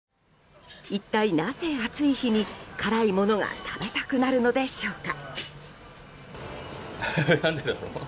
一体なぜ暑い日に辛いものが食べたくなるのでしょうか。